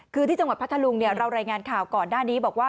คือที่จังหวัดพัทธลุงเรารายงานข่าวก่อนหน้านี้บอกว่า